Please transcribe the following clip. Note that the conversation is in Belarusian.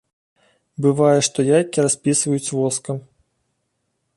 Бывае, што яйкі распісваюць воскам.